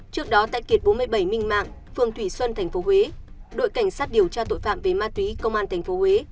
trước đó tại kiệt bốn mươi bảy minh mạng phường thủy xuân tp huế đội cảnh sát điều tra tội phạm về ma túy công an tp huế